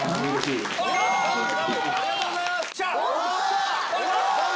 ありがとうございます。